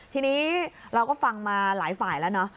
ทีนี้เราก็ฟังมาหลายฝ่ายแล้วเนาะ